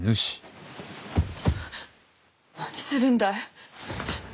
何するんだい！？